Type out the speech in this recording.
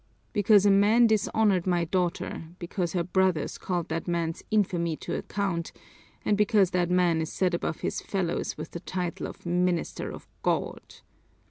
Because a man dishonored my daughter, because her brothers called that man's infamy to account, and because that man is set above his fellows with the title of minister of God!